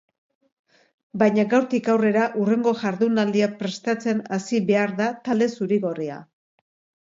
Baina gaurtik aurrera hurrengo jardunaldia prestatzen hasi behar da talde zuri-gorria.